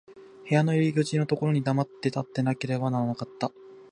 部屋の入口のところに黙って立っていなければならなかった。